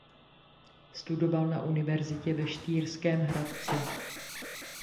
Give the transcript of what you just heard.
Studoval na Univerzitě ve Štýrském Hradci.